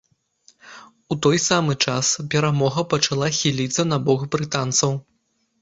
У той самы час перамога пачала хіліцца на бок брытанцаў.